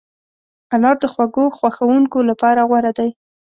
انار د خوږو خوښونکو لپاره غوره دی.